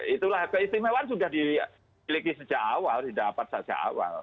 itulah keistimewaan sudah dimiliki sejak awal didapat sejak awal